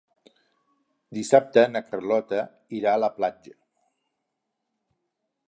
Dissabte na Carlota irà a la platja.